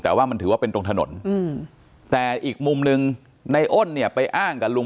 แต่ว่ามันถือว่าเป็นตรงถนนแต่อีกมุมหนึ่งในอ้นเนี่ยไปอ้างกับลุง